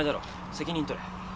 責任取れ。